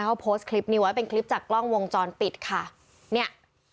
เขาโพสต์คลิปนี้ไว้เป็นคลิปจากกล้องวงจรปิดค่ะเนี่ย